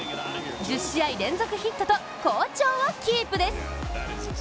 １０試合連続ヒットと、好調をキープです。